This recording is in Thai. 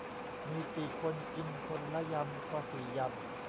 มีสี่คน กินคนละยำก็สี่ยำ